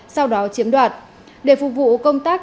sau đó chiếm đoạt